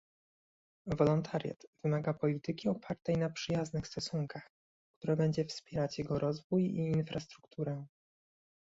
Wolontariat wymaga polityki opartej na przyjaznych stosunkach, która będzie wspierać jego rozwój i infrastrukturę